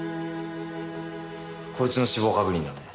こいつの死亡確認だね。